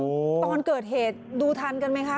คุณผู้ชมตอนเกิดเหตุดูทันกันไหมคะ